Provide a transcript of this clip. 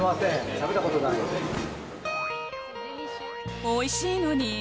食べたことないおいしいのに。